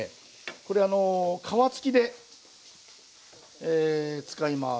これあの皮付きで使います。